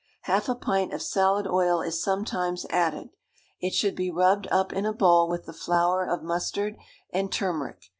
Half a pint of salad oil is sometimes added. It should be rubbed up in a bowl with the flour of mustard and turmeric.